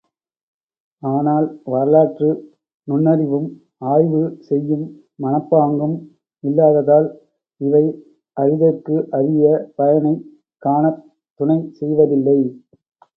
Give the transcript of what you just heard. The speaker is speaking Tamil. ஆனால், வரலாற்று நுண்ணறிவும் ஆய்வு செய்யும் மனப்பாங்கும் இல்லாததால் இவை அறிதற்கு அரிய பயனைக் காணத் துணை செய்வதில்லை.